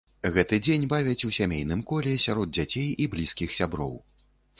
Гэты дзень бавяць у сямейным коле, сярод дзяцей і блізкіх сяброў.